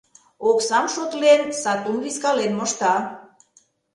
Оксам шотлен, сатум вискален мошта.